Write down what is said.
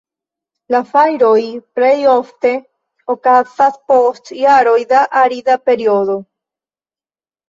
La fajroj plejofte okazas post jaroj da arida periodo.